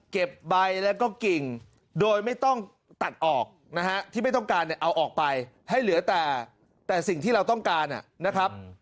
ใบแล้วก็กิ่งโดยไม่ต้องตัดออกนะฮะที่ไม่ต้องการเนี่ยเอาออกไปให้เหลือแต่สิ่งที่เราต้องการนะครับ